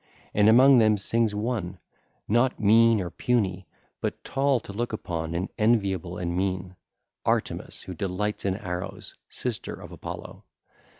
And among them sings one, not mean nor puny, but tall to look upon and enviable in mien, Artemis who delights in arrows, sister of Apollo.